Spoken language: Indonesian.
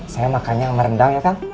saya makannya sama rendang ya kan